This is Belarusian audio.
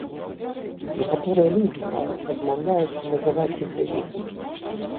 Некаторыя людзі нават адмаўляюцца называць іх элітай.